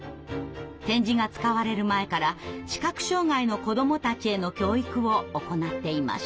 点字が使われる前から視覚障害の子どもたちへの教育を行っていました。